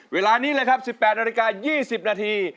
เวลานี้เลยครับ๑๘นาฬิกา๒๐นาที